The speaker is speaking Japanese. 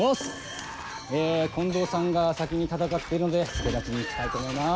え近藤さんが先に戦ってるので助太刀に行きたいと思います。